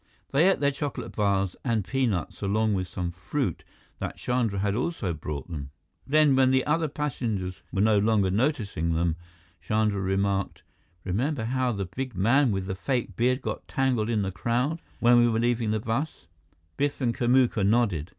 They ate their chocolate bars and peanuts along with some fruit that Chandra had also brought them. Then, when the other passengers were no longer noticing them, Chandra remarked: "Remember how the big man with the fake beard got tangled in the crowd, when we were leaving the bus?" Biff and Kamuka nodded.